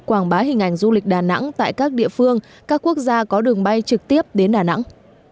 các chương trình giới thiệu quảng bá hình ảnh du lịch đà nẵng tại các địa phương các quốc gia có đường bay trực tiếp đến đà nẵng